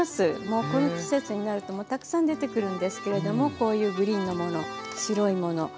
もうこの季節になるともうたくさん出てくるんですけれどもこういうグリーンのもの白いもの